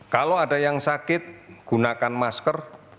kalau ada yang sakit gunakan masker